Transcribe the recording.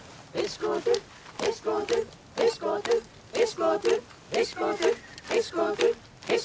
よし！